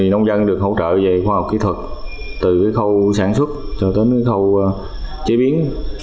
nông dân được hỗ trợ về khoa học kỹ thuật từ khâu sản xuất cho đến khâu chế biến